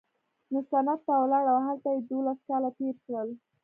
نو سند ته ولاړ او هلته یې دوولس کاله تېر کړل.